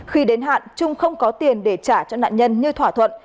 khi đến hạn trung không có tiền để trả cho nạn nhân như thỏa thuận